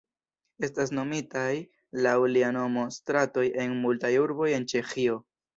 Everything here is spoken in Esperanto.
Estas nomitaj laŭ lia nomo stratoj en multaj urboj en Ĉeĥio.